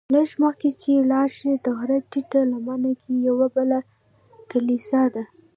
لږ مخکې چې لاړ شې د غره ټیټه لمنه کې یوه بله کلیسا ده.